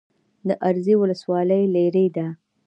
د ازرې ولسوالۍ لیرې ده